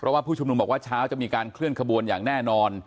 เพราะว่าผู้ชุมนุมบอกว่าเช้าจะมีการเคลื่อนขบวนอย่างแน่นอน